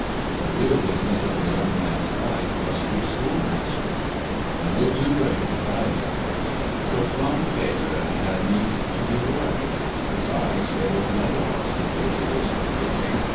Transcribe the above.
The real business of the young man's life was to be schoolmastering. No two ways about it! So Franz Peter had need to be wary. Besides, there was another obstacle to his composing.